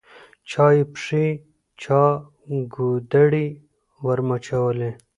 چا یې پښې چا ګودړۍ ورمچوله